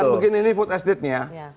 kan begini nih putestetnya